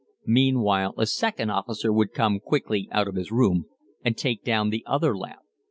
Meanwhile a second officer would come quickly out of his room and take down the other lamp.